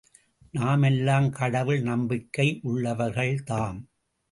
நாமெல்லாம் கடவுள் நம்பிக்கை உள்ளவர்கள்தாம்.